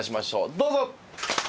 どうぞ！